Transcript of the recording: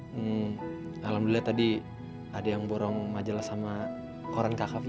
hmm alhamdulillah tadi ada yang borong majalah sama koran kkv